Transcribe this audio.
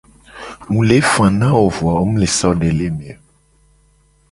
Mu le fa na wo a vo a wo mu le so de le eme o.